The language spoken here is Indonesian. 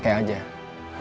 oke selamat pagi